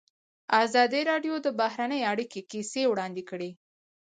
ازادي راډیو د بهرنۍ اړیکې کیسې وړاندې کړي.